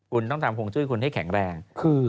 คุณต้องทำฮวงจุ้ยคุณให้แข็งแรง